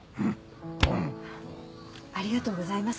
ありがとうございます。